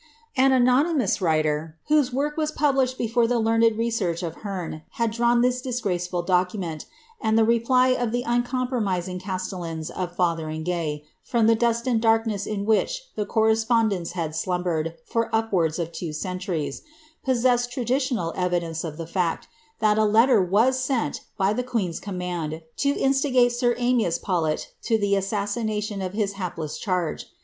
An anonymoM writer, whose work was published before the learned nsearch of Heame had drawn this disgraceful document, and the reply of the uncompromising castellans of Fothen'ngaye, from the dust and dvkness in which the correspondence had slumbered for upwards of two centuries, possessed traditional evidence of the fact, that a letter was sent, by ihe queen's command, to instigate sir Amias Paulet to the assassination of his hapless charge.